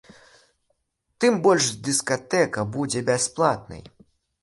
Тым больш, дыскатэка будзе бясплатнай.